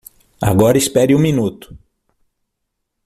Agora espere um minuto!